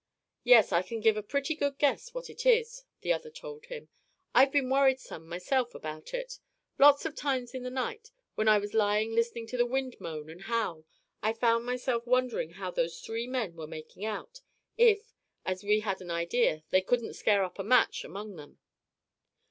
"Yes, I can give a pretty good guess what it is," the other told him. "I've been worried some, myself, about it. Lots of times in the night, when I was lying listening to the wind moan and howl, I found myself wondering how those three men were making out, if, as we had an idea, they couldn't scare up a match among 'em."